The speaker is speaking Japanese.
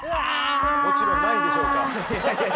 もちろん何位でしょうか？